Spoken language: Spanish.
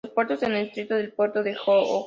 Los puertos en el distrito es Puerto de Johor